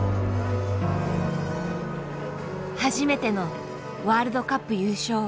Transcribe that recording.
初めてのワールドカップ優勝。